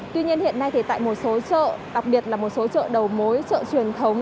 tuy nhiên hiện nay tại một số chợ đặc biệt là một số chợ đầu mối chợ truyền thống